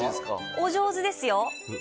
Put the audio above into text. お上手ですよ